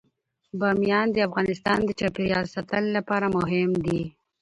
بامیان د افغانستان د چاپیریال ساتنې لپاره مهم دي.